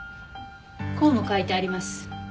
こうも書いてあります。